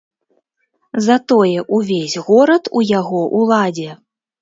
Затое ўвесь горад у яго ўладзе.